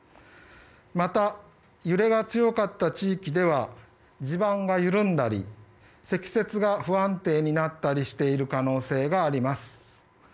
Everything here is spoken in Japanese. また、揺れが強かった地域では地盤が緩んだり積雪が不安定になったりしている可能性があります。